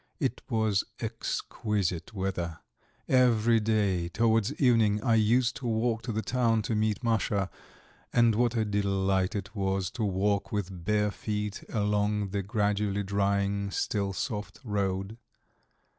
It was exquisite weather. Every day, towards evening, I used to walk to the town to meet Masha, and what a delight it was to walk with bare feet along the gradually drying, still soft road.